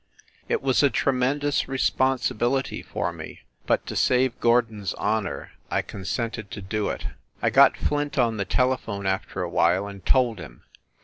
... It was a tremendous responsibility for me, but, to save Gordon s honor, I consented to do it. I got Flint on the telephone, after a while, and told him.